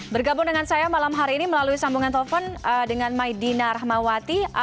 bergabung dengan saya malam hari ini melalui sambungan telepon dengan maidina rahmawati